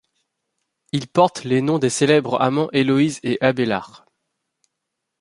Il porte les noms des célèbres amants Héloïse et Abélard.